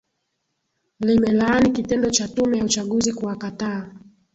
limelaani kitendo cha tume ya uchaguzi kuwakataa